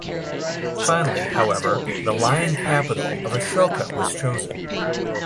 Finally, however, the Lion Capital of Ashoka was chosen.